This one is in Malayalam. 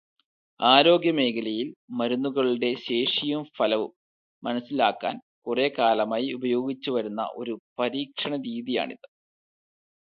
ആരോഗ്യമേഖലയിൽ മരുന്നുകളുടെ ശേഷിയും ഫലവും മനസ്സിലാക്കാൻ കുറെക്കാലമായി ഉപയോഗിച്ചുവരുന്ന ഒരു പരീക്ഷണരീതിയാണിത്.